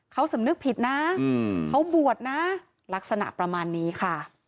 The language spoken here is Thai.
เขาสำนึกผิดนะเขาบวชนะลักษณะประมาณนี้ค่ะ